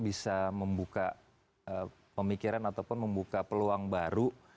bisa membuka pemikiran ataupun membuka peluang baru